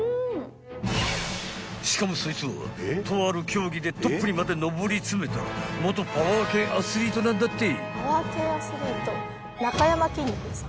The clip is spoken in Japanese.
［しかもそいつはとある競技でトップにまで上り詰めた元パワー系アスリートなんだって］